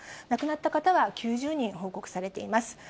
亡くなった方は９０人報告されています。